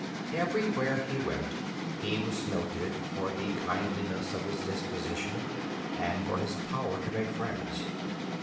Everywhere he went he was noted for the kindliness of his disposition and for his power to make friends.